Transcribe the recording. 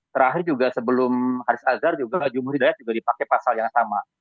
terakhir juga sebelum haris azhar juga jumuh hidayat juga dipakai pasal yang sama